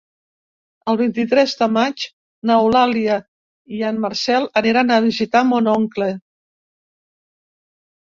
El vint-i-tres de maig n'Eulàlia i en Marcel aniran a visitar mon oncle.